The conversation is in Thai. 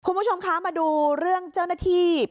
คุณผู้ชมคะมาดูเรื่องเจ้าหน้าที่